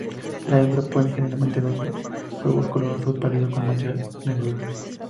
La hembra pone generalmente dos huevos color azul pálido con manchas negruzcas.